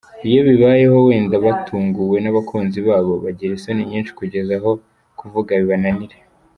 Iyo bibayeho wenda batunguwe n’abakunzi babo, bagira isoni nyinshi kugeza aho kuvuga bibananira.